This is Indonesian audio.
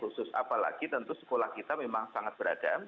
khusus apalagi tentu sekolah kita memang sangat berada